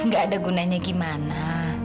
gak ada gunanya gimana